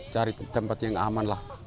cari tempat yang aman lah